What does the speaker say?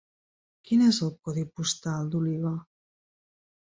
Quin és el codi postal d'Oliva?